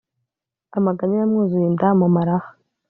Amaganya yamwuzuye inda mu maraha*.